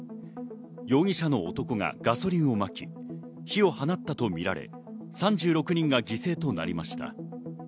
容疑者の男がガソリンをまき、火を放ったとみられ、３６人が犠牲となりました。